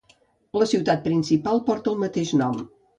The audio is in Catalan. La ciutat principal porta el mateix nom.